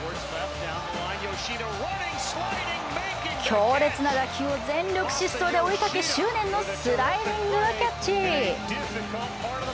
強烈な打球を全力疾走で追いかけ執念のスライディングキャッチ。